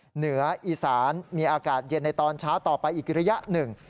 เหนืออีสานมีอากาศเย็นในตอนเช้าต่อไปอีกระยะหนึ่ง